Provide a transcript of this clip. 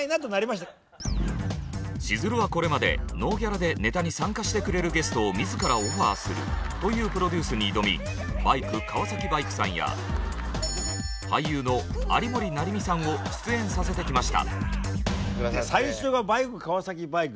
しずるはこれまでノーギャラでネタに参加してくれるゲストを自らオファーするというプロデュースに挑みバイク川崎バイクさんや俳優の有森也実さんを出演させてきました。